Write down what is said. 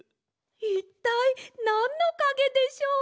いったいなんのかげでしょう！？